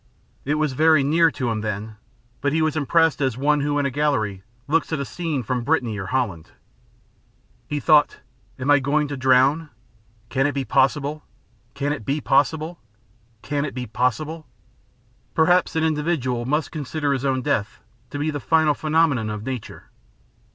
It was very near to him then, but he was impressed as one who in a gallery looks at a scene from Brittany or Holland. He thought: "I am going to drown? Can it be possible Can it be possible? Can it be possible?" Perhaps an individual must consider his own death to be the final phenomenon of nature.